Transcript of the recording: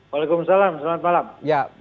waalaikumsalam selamat malam